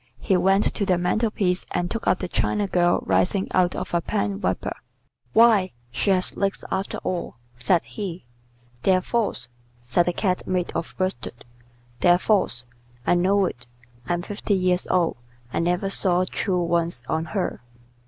He went to the mantel piece and took up the China girl rising out of a pen wiper. "Why, she has legs after all," said he. "They're false," said the Cat made of worsted. "They're false. I know it. I'm fifty years old. I never saw true ones on her."